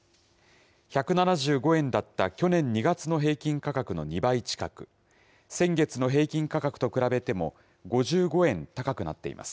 １７５円だった去年２月の平均価格の２倍近く、先月の平均価格と比べても５５円高くなっています。